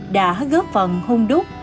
đã góp phần hung đúc